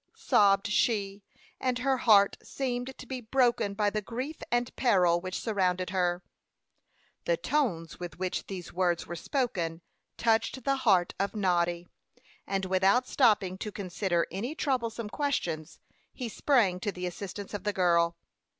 sobbed she; and her heart seemed to be broken by the grief and peril which surrounded her. The tones with which these words were spoken touched the heart of Noddy; and without stopping to consider any troublesome questions, he sprang to the assistance of the girl.